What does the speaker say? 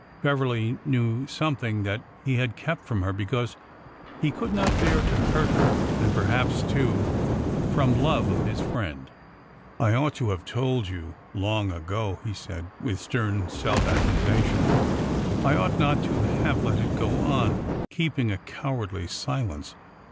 Beverly knew something that he had kept from her because he could not bear to hurt her, and, perhaps, too, from love of his friend. " I ought to have told you long ago," he said, with stern self accusation. " I ought not to have let it go on, keep ing a cowardly silence.